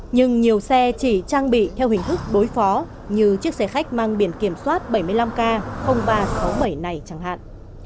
nhưng nhiều xe chỉ trang bị theo hình thức đối phó như chiếc xe khách mang biển kiểm soát bảy mươi năm k ba trăm sáu mươi bảy này chẳng hạn